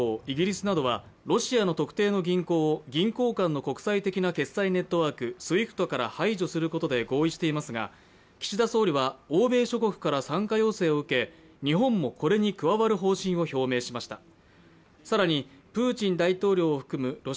イギリスなどはロシアの特定の銀行を銀行間の国際的な決済ネットワーク、ＳＷＩＦＴから排除することで合意していますが岸田総理は欧米諸国から参加要請を受け、日本もこれに加わる方針を表明しました。